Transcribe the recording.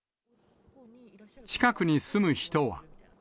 近くに住む人は。